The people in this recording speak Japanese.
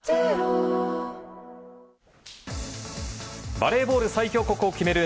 バレーボール最強国を決める